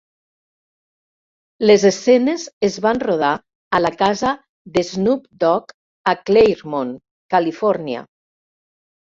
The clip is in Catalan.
Les escenes es van rodar a la casa d'Snoop Dogg a Claremont, Califòrnia.